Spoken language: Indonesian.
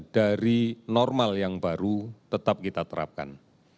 dari normal yang baru tetap kita terapkan